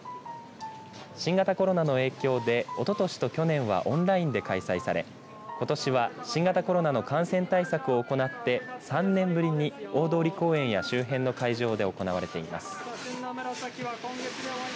新型コロナの影響でおととしと去年はオンラインで開催されことしは新型コロナの感染対策を行って３年ぶりに大通公園や周辺の会場で行われています。